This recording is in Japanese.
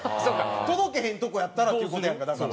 届けへんとこやったらっていう事やんかだから。